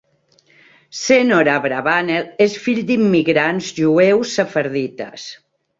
Senor Abravanel és fill d'immigrants jueus sefardites.